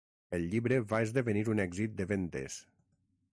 El llibre va esdevenir un èxit de vendes.